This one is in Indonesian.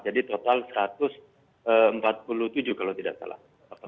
jadi total satu ratus empat puluh tujuh kalau tidak salah